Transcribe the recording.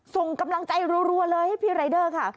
ส่งกำลังใจรัวเลยให้พี่รายเดอร์ค่ะ